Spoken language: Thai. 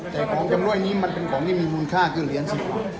แต่ของจำร่วยนี้มันเป็นของที่มีมูลค่าคือเหรียญ๑๐บาท